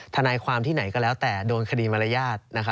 ทนายความที่ไหนก็แล้วแต่โดนคดีมารยาท